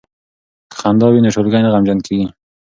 که خندا وي نو ټولګی نه غمجن کیږي.